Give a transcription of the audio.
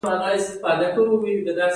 فیوډال مالکانو له بزګرانو نغدې پیسې غوښتلې.